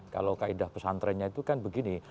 kalau kaedah pesantrennya itu kan begini